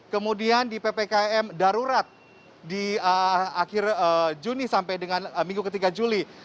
kemudian di ppkm darurat di akhir juni sampai dengan minggu ketiga juli